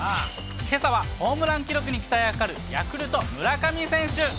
けさは、ホームラン記録に期待がかかる、ヤクルト、村上選手。